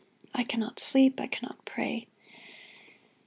I cannot sleep, I cannot pray.